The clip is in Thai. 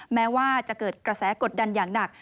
แม้ว่าจะเกิดกระแสกดดันอย่างหนัก